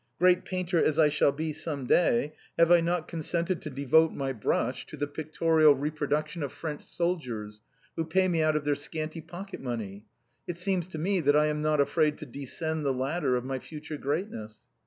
Great painter as I shall be some day, have I not consented to devote my brush to the pictorial reproduction of French soldiers, who pay me out of their scanty pocket money? It seems to me that I am not afraid to descend the ladder of my future greatness."